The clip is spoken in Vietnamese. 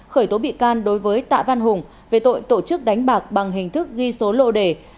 khởi tố bị can đối với tạ văn hùng về tội tổ chức đánh bạc bằng hình thức ghi số lô đề